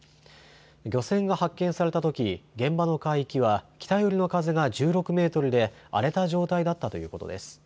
漁船が発見されたとき、現場の海域は北寄りの風が１６メートルで荒れた状態だったということです。